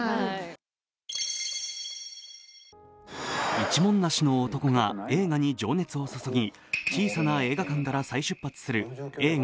一文無しの男が映画に情熱を注ぎ小さな映画館から再出発する映画